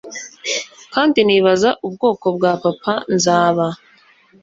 kandi nibaza ubwoko bwa papa nzaba